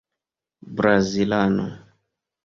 brazilano